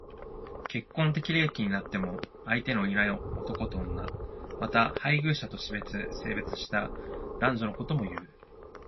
結婚適齢期になっても相手のいない男と女。また、配偶者と死別、生別した男女のことも言う。